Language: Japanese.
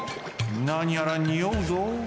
なにやらにおうぞ。